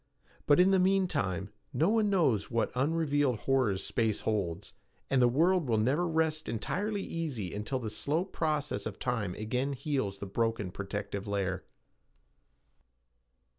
But in the mean time, no one knows what unrevealed horrors space holds, and the world will never rest entirely easy until the slow process of time again heals the broken protective layer.